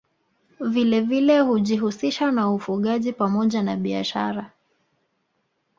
Vilevile hujihusisha na ufugaji pamoja na biashara